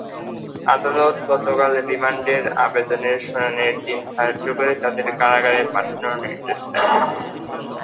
আদালত গতকাল রিমান্ডের আবেদনের শুনানির দিন ধার্য করে তাদের কারাগারে পাঠানোর নির্দেশ দেন।